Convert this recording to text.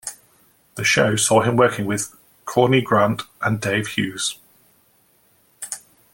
The show saw him working with Corinne Grant and Dave Hughes.